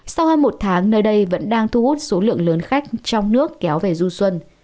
sau hơn một tháng nơi đây vẫn đang thu hút số lượng lớn khách trong nước kéo về du xuân